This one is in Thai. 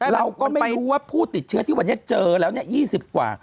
เราก็ไม่รู้ว่าผู้ติดเชื้อที่วันนี้เจอแล้ว๒๐กว่า